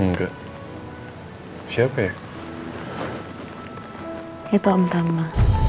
enggak siapa ya itu om tamma